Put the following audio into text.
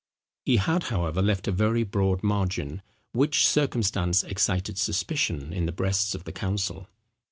He had, however, left a very broad margin, which circumstance excited suspicion in the breasts of the council.